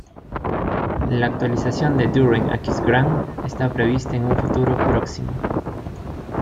La actualización de Düren-Aquisgrán está prevista en un futuro próximo.